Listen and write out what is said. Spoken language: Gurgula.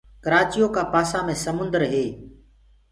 ڪرآچيو ڪآ پآسآ مي سمونٚدر هي